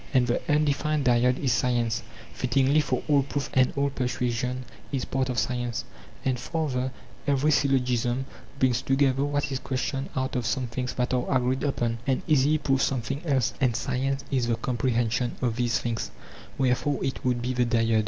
And the undefined dyad is science ; fittingly, for all proof and all persuasion is part of science, and farther every syllogism brings together what is questioned out of some things that are agreed upon, and easily proves something else; and science is the comprehension of these things, wherefore it would be the dyad.